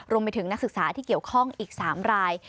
นักศึกษาที่เกี่ยวข้องอีก๓ราย